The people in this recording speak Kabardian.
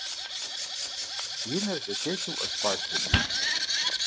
И нэр зэтелъу Ӏуэщхъуащ сабийр.